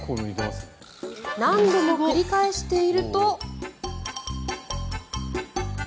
何度も繰り返していると。